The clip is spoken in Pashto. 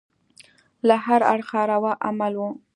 له هره اړخه روا عمل وو.